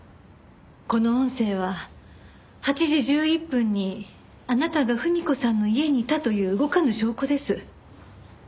この音声は８時１１分にあなたが文子さんの家にいたという動かぬ証拠です。